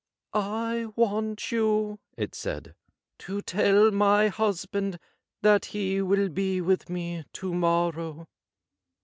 ' I want you,' it said, ' to tell my husband that he will be with me to morrow.'